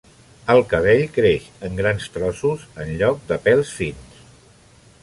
El cabell creix en grans trossos en lloc de pèls fins.